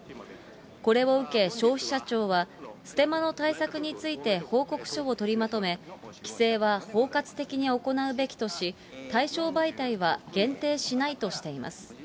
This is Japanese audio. これを受け、消費者庁は、ステマの対策について報告書を取りまとめ、規制は包括的に行うべきとし、対象媒体は限定しないとしています。